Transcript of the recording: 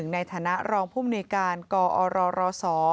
ในฐานะรองผู้มูลในการกรรศ